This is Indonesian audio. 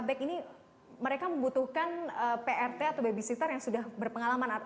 beck ini mereka membutuhkan prt atau babysitter yang sudah berpengalaman